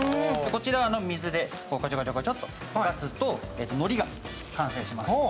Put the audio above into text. こちらの水でごちょごちょと溶かすとのりが完成します。